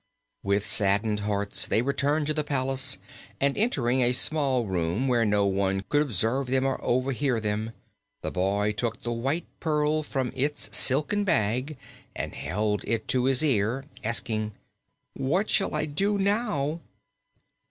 With saddened hearts they returned to the palace, and entering a small room where no one could observe them or overhear them, the boy took the White Pearl from its silken bag and held it to his ear, asking: "What shall I do now?"